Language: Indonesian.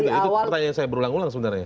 itu pertanyaan saya berulang ulang sebenarnya